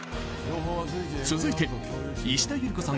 続いて石田ゆり子さん